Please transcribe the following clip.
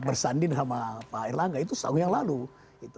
bersandin sama pak erlangga itu setahun yang lalu gitu